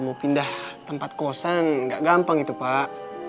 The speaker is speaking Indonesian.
kalau mau pindah tempat kosan gak gampang itu pak